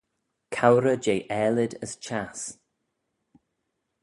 Cowrey jeh aalid as çhiass.